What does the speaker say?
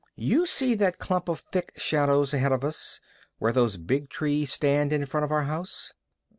"You see that clump of thick shadows ahead of us, where those big trees stand in front of our house?"